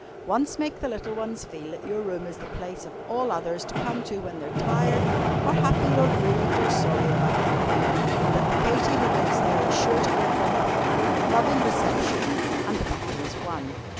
"Once make the little ones feel that your room is the place of all others to come to when they are tired, or happy, or grieved, or sorry about anything, and that the Katy who lives there is sure to give them a loving reception and the battle is won.